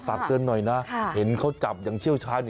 ฝากเตือนหน่อยนะเห็นเขาจับอย่างเชี่ยวชาญ